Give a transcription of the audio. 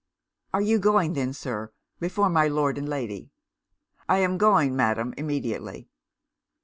'Are you going then, Sir, before my Lord and Lady?' 'I am going, Madam, immediately.'